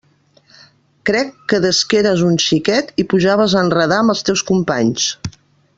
Crec que des que eres un xiquet i pujaves a enredrar amb els teus companys.